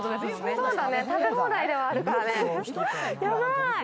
そうだね、食べ放題ではあるからね。